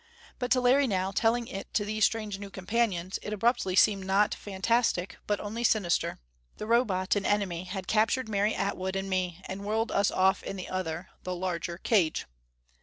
But to Larry now, telling it to these strange new companions, it abruptly seemed not fantastic, but only sinister. The Robot, an enemy, had captured Mary Atwood and me, and whirled us off in the other the larger cage.